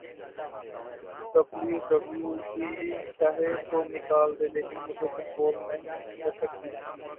W W E چاہے تو نکال دے لیکن مجھے کنٹرول نہیں کر سکتی